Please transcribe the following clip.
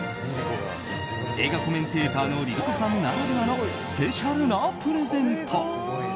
映画コメンテーターのＬｉＬｉＣｏさんならではのスペシャルなプレゼント。